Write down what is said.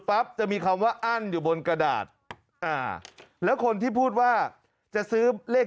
จะมีคำว่าอั้นอยู่บนกระดาษอ่าแล้วคนที่พูดว่าจะซื้อเลข